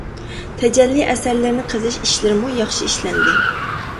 تەجەللى ئەسەرلىرىنى قېزىش ئىشلىرىمۇ ياخشى ئىشلەندى.